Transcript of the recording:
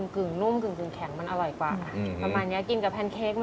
กึ่งนุ่มกึ่งแข็งมันอร่อยกว่าอืม